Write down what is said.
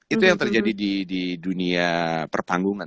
itu yang terjadi di dunia pertanggungan